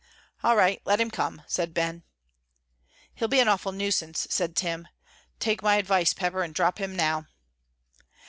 "All right, let him come," said Ben. "He'll be an awful nuisance," said Tim; "take my advice, Pepper, and drop him now."